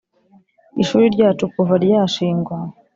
ishuri ryacu kuva ryashingwa,